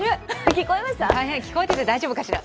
大変、聞こえてて大丈夫かしら。